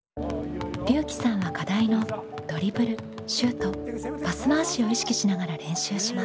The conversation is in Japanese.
りゅうきさんは課題のドリブルシュートパス回しを意識しながら練習します。